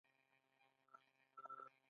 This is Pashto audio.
بيا واپس پيوند نۀ شوه ۔